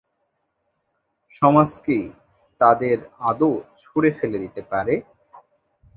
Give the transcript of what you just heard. সমাজ কি তাদের আদৌ ছুঁড়ে ফেলে দিতে পারে!